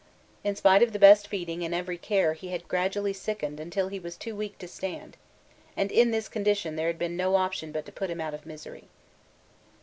In spite of the best feeding and every care he had gradually sickened until he was too weak to stand, and in this condition there had been no option but to put him out of misery.